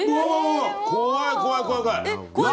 怖い怖い怖い怖い。